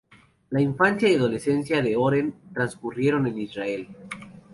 La infancia y adolescencia de Oren transcurrieron en Israel.